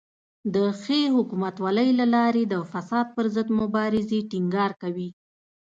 د ښې حکومتولۍ له لارې د فساد پر ضد مبارزې ټینګار کوي.